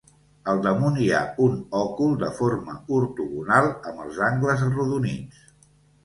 Al damunt hi ha un òcul de forma ortogonal amb els angles arrodonits.